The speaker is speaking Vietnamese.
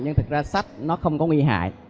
nhưng thật ra sách nó không có nguy hại